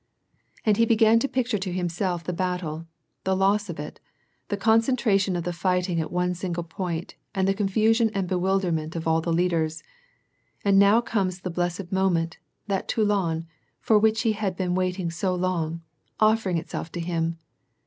And he began to picture to himself the battle, the loss of it, the concentration of the fighting at one single point, and the confusion and bewilderment of all the leaders. And now comes the blessed moment, that Toulon, for which he had beeu waiting so long, offering itself to him